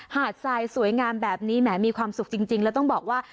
หาดทรายสวยงามแบบนี้แหมมีความสุขจริงแล้วต้องบอกว่า